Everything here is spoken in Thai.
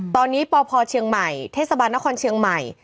ตอนนี้ปพเชียงใหม่เทศบาลนครเชียงใหม่